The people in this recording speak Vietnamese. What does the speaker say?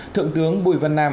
thượng tướng bùi văn nam